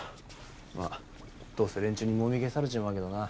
まあどうせ連中にもみ消されちまうけどな。